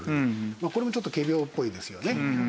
これもちょっと仮病っぽいですよね。